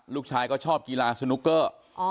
ลูกชายก็ชอบกีฬาสนุกเกอร์